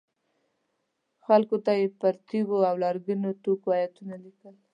خلکو ته یې پر تیږو او لرګینو توکو ایتونه لیکل.